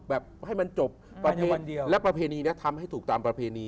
แบบให้มันจบประเพณีและประเพณีนี้ทำให้ถูกตามประเพณี